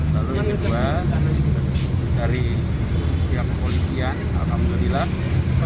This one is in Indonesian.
lalu yang kedua dari pihak kepolisian alhamdulillah